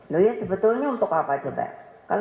loh ya sebetulnya untuk apa coba